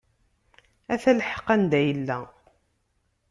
Ata lḥeq anda yella.